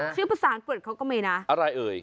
ชื่อภาษาอังกฤษเขาก็มีนะอะไรเอ่ย